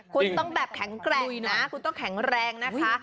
คุณต้องแบบแข็งแกร่งนะคุณต้องแข็งแรงนะคะ